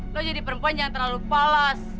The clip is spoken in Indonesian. lo jadi perempuan jangan terlalu kepala